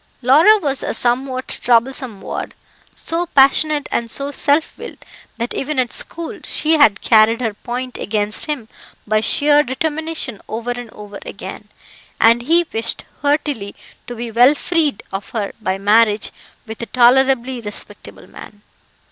Laura was a somewhat troublesome ward, so passionate and so self willed that even at school she had carried her point against him by sheer determination over and over again, and he wished heartily to be well freed of her by marriage with a tolerably respectable man.